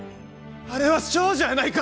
あれは少女やないか！